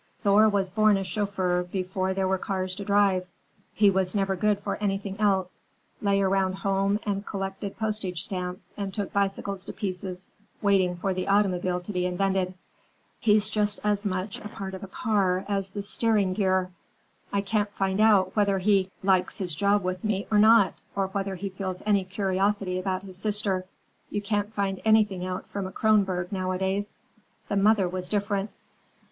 Thor was born a chauffeur before there were cars to drive. He was never good for anything else; lay around home and collected postage stamps and took bicycles to pieces, waiting for the automobile to be invented. He's just as much a part of a car as the steering gear. I can't find out whether he likes his job with me or not, or whether he feels any curiosity about his sister. You can't find anything out from a Kronborg nowadays. The mother was different."